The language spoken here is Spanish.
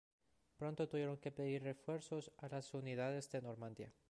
Pronto tuvieron que pedir refuerzos a las unidades de Normandía.